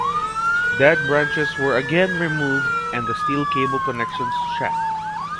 Dead branches were again removed and the steel cable connections checked.